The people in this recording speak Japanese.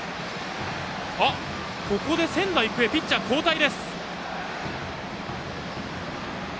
ここで仙台育英ピッチャー交代です。